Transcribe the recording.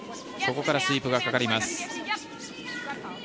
ここからスイープがかかります。